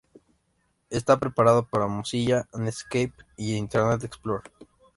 Está preparado para Mozilla, Netscape y Internet Explorer.